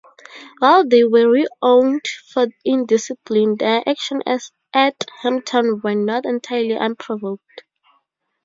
While they were renowned for indiscipline, their actions at Hampton were not entirely unprovoked.